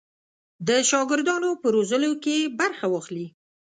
د شاګردانو په روزلو کې برخه واخلي.